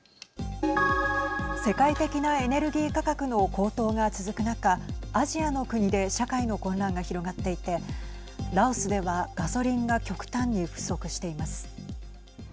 世界的なエネルギー価格の高騰が続く中アジアの国で社会の混乱が広がっていてラオスではガソリンが極端に不足しています。